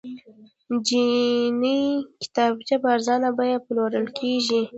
چیني کتابچې په ارزانه بیه پلورل کیږي.